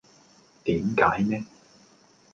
點解呢